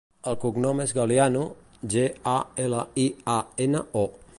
El cognom és Galiano: ge, a, ela, i, a, ena, o.